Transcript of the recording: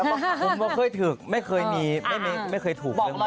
ผมไม่เคยถือไม่เคยถูก